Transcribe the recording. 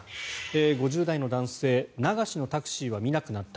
５０代の男性流しのタクシーは見なくなった。